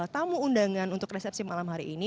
tamu undangan untuk resepsi malam hari ini